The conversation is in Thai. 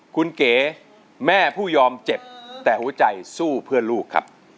คุณเก๋แม่ผู้ยอมเจ็บแต่หัวใจสู้เพื่อลูกครับ